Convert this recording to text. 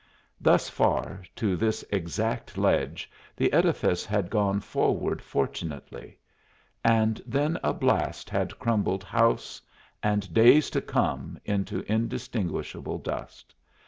Thus far, to this exact ledge, the edifice had gone forward fortunately, and then a blast had crumbled house and days to come into indistinguishable dust.